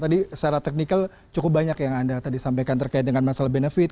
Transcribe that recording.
tadi secara teknikal cukup banyak yang anda tadi sampaikan terkait dengan masalah benefit